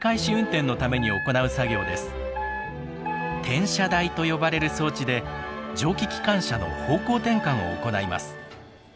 転車台と呼ばれる装置で蒸気機関車の方向転換を行います。